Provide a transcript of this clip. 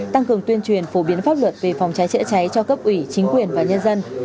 tăng cường tuyên truyền phổ biến pháp luật về phòng cháy chữa cháy cho cấp ủy chính quyền và nhân dân